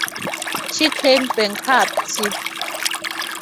She claimed bankruptcy.